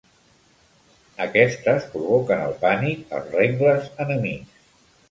Aquestes provoquen el pànic als rengles enemics.